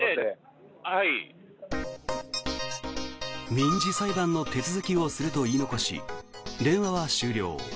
民事裁判の手続きをすると言い残し電話は終了。